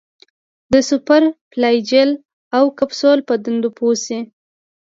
د سپور، فلاجیل او کپسول په دندو پوه شي.